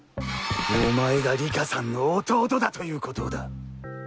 お前が里佳さんの弟だということをだ。